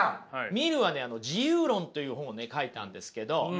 ミルはね「自由論」という本をね書いたんですけどこれはね